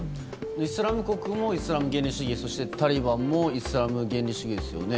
イスラム国もイスラム原理主義タリバンもイスラム原理主義ですよね。